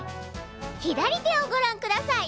左手をごらんください。